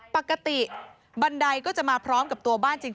ปกติบันไดก็จะมาพร้อมกับตัวบ้านจริง